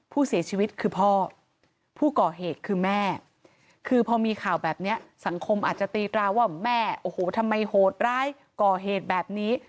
ผู้เสียชีวิตคือพ่อผู้ก่อเหตุคือแม่คือพอมีข่าวแบบนี้สังคมอาจจะตีตราว่าแม่โอ้โหทำไมโหดร้ายก่อเหตุแบบนี้